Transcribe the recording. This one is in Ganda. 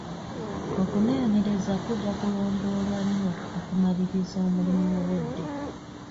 Okunoonyereza kujja kulondoolwa nnyo okumaliriza omulimu bu budde.